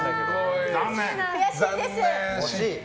悔しいです！